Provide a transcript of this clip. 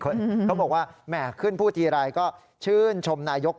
เขาบอกว่าแหม่ขึ้นพูดทีไรก็ชื่นชมนายก